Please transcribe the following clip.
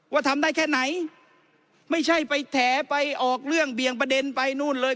ทำได้แค่ไหนไม่ใช่ไปแถไปออกเรื่องเบี่ยงประเด็นไปนู่นเลย